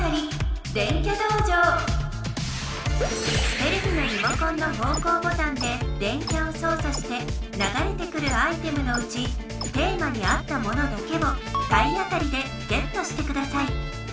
テレビのリモコンの方向ボタンで電キャをそうさしてながれてくるアイテムのうちテーマに合ったものだけを体当たりでゲットしてください。